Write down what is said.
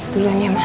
duluan ya mah